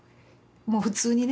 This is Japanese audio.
もう普通にね。